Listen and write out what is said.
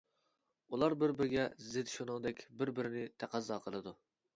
ئۇلار بىر-بىرىگە زىت شۇنىڭدەك بىر-بىرىنى تەقەززا قىلىدۇ.